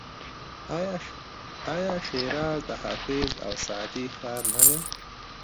آیا شیراز د حافظ او سعدي ښار نه دی؟